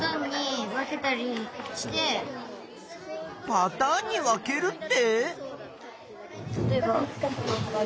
パターンに分けるって？